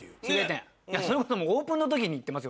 それこそオープンの時に行ってますよ